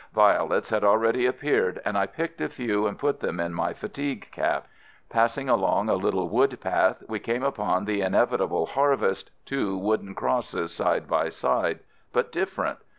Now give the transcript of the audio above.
Violets had al ready appeared and I picked a few and put them in my fatigue cap. Passing along a little wood path, we came upon the inevitable harvest, — two wooden crosses, side by side — but different!